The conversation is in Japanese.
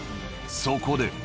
そこで。